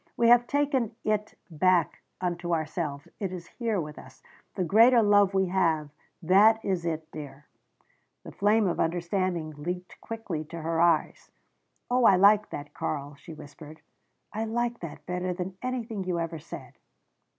We have taken it back unto ourselves. It is here with us. The greater love we have that is it, dear." The flame of understanding leaped quickly to her eyes. "Oh, I like that Karl," she whispered. "I like that better than anything you ever said."